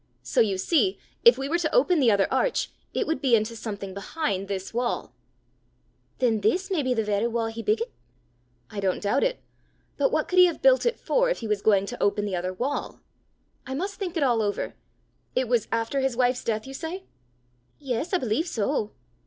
So you see if we were to open the other arch, it would be into something behind this wall." "Then this may be the varra wa' he biggit?" "I don't doubt it; but what could he have had it built for, if he was going to open the other wall? I must think it all over! It was after his wife's death, you say?" "Yes, I believe so."